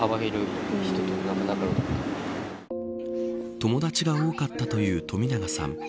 友達が多かったという冨永さん